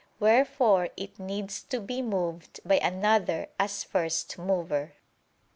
Wherefore it needs to be moved by another as first mover.